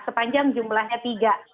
sepanjang jumlahnya tiga